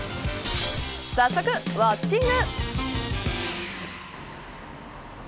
早速ウオッチング。